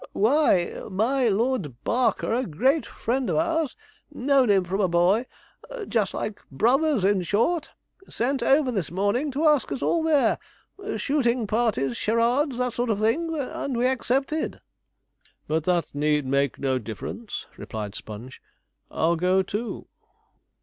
'Why, my Lord Barker, a great friend of ours known him from a boy just like brothers, in short sent over this morning to ask us all there shooting party, charades, that sort of thing and we accepted.' 'But that need make no difference,' replied Sponge; 'I'll go too.'